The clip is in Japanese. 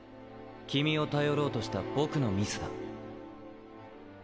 君を頼ろうとした僕のミスだ。